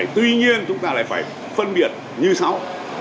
tuy nhiên chúng ta lại phải phân biệt như sau